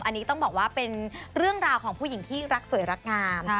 อันนี้ต้องบอกว่าเป็นเรื่องราวของผู้หญิงที่รักสวยรักงาม